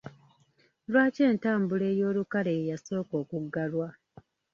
Lwaki entambula ey'olukale ye yasooka okuggalwa?